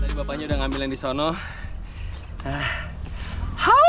kamu diri bapaknya sudah mengambil yang di sana